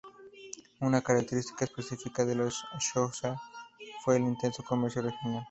Una característica específica de los xhosa fue el intenso comercio regional.